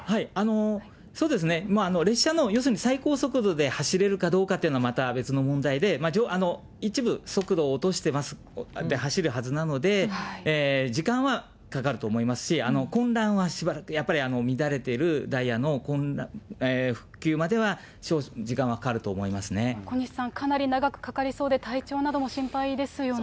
そうですね、列車の要するに最高速度で走れるかどうかっていうのはまた別の問題で、一部、速度を落として走るはずなので、時間はかかると思いますし、混乱はしばらくやっぱり、乱れているダイヤの復旧までは、小西さん、かなり長くかかりそうで、体調なども心配ですよね。